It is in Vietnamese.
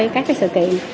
các cái sự kiện